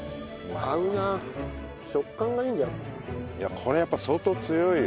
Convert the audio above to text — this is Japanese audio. これやっぱ相当強いよ。